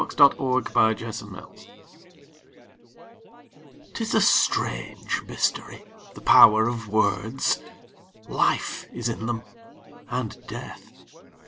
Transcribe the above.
L. The Power of Words 'TIS a strange mystery, the power of words! Life is in them, and death.